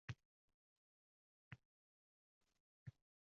o‘z xohish irodasi bilan emas